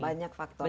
banyak faktor ini